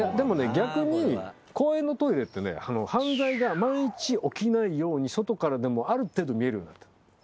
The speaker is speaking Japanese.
逆に公園のトイレって犯罪が万一起きないように外からでもある程度見えるようになってる。